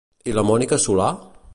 I la Mònica Solà?